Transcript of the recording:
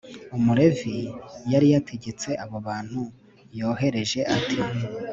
umulevi yari yategetse abo bantu yohereje, ati